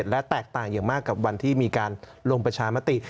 และแตกต่างอย่างมากกับวันที่มีการลงประชามติ